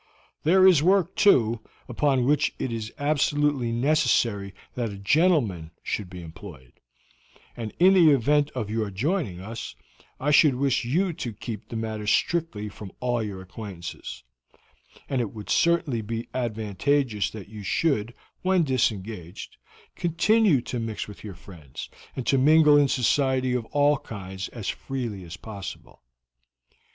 There is work, too, upon which it is absolutely necessary that a gentleman should be employed, and in the event of your joining us, I should wish you to keep the matter strictly from all your acquaintances; and it would certainly be advantageous that you should, when disengaged, continue to mix with your friends and to mingle in society of all kinds as freely as possible.